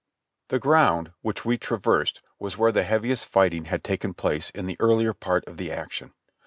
The ground which we traversed was where the heaviest fighting had taken place in the earlier part of the action.